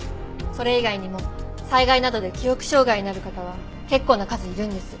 それ以外にも災害などで記憶障害になる方は結構な数いるんです。